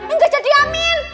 enggak jadi amin